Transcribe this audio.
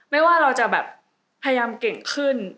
ไม่ว่าเราจะแบบพยายามเก่งขึ้น